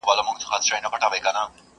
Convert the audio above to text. زما دقام خلګ چي جوړ سي رقيبان ساتي.